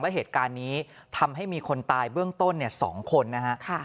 และเหตุการณ์นี้ทำให้มีคนตายเบื้องต้น๒คนนะฮะ